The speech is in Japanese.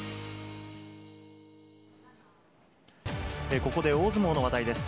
ここで、大相撲の話題です。